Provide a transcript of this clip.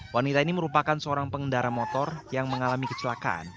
wanita ini merupakan seorang pengendara motor yang mengalami kecelakaan